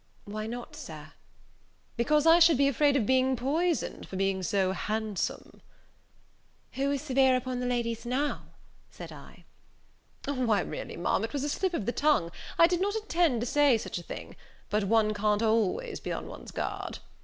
"Why not, Sir?" "Because I should be afraid of being poisoned for being so handsome." "Who is severe upon the ladies now?" said I. "Why, really, Ma'am, it was a slip of the tongue; I did not intend to say such a thing; but one can't always be on one's guard."